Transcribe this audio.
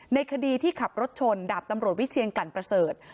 ในคดีที่ขับรถชนดาบตำรวจวิเชียนกลั่นประเสริฐ